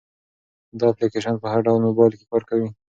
دا اپلیکیشن په هر ډول موبایل کې کار کوي.